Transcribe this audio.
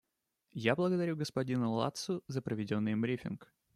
Я благодарю господина Ладсу за проведенный им брифинг.